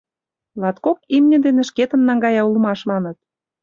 Латкок имне дене шкетын наҥгая улмаш, маныт...